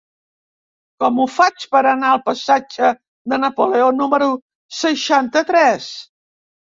Com ho faig per anar al passatge de Napoleó número seixanta-tres?